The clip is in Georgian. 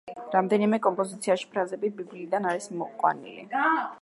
რამდენიმე კომპოზიციაში ფრაზები ბიბლიიდან არის მოყვანილი.